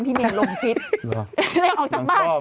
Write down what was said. พี่มีโรงพิษ